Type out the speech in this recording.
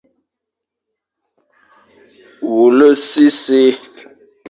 Wule sisi,